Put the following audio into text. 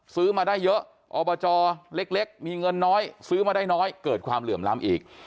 ซื้อมาได้เยอะอบจเล็กมีเงินน้อยซื้อมาได้น้อยเกิดความเหลื่อมล้ำอีก